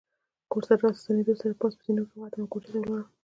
کور ته له راستنېدو سره پاس په زینو کې وختلم او کوټې ته ولاړم.